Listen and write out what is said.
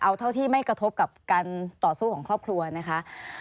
เอาเท่าที่ไม่กระทบกับการต่อสู้ของครอบครัวนะคะ